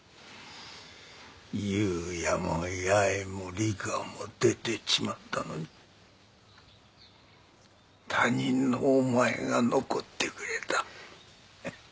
祐弥も弥栄も理花も出ていっちまったのに他人のお前が残ってくれた